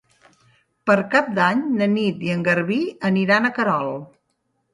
Per Cap d'Any na Nit i en Garbí aniran a Querol.